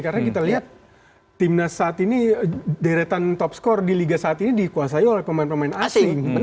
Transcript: karena kita lihat timnas saat ini deretan top score di liga saat ini dikuasai oleh pemain pemain asing